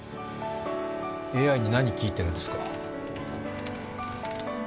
ＡＩに何聞いているんですか。